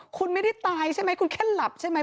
คุณไม่ได้ตายใช่ไหมคุณแค่หลับใช่ไหม